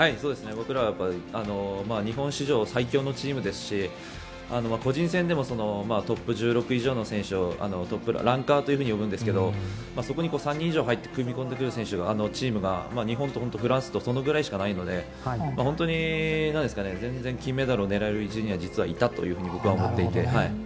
僕らは、日本史上最強のチームですし個人戦でもトップ１６以上の選手をランカーと呼ぶんですけどそこに３人以上組み込んでくるチームが日本とフランスとそのくらいしかないので本当に、全然金メダルを狙える位置には実は、いたというふうに僕は思っていて。